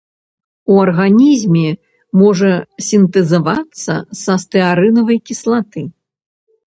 У арганізме можа сінтэзавацца са стэарынавай кіслаты.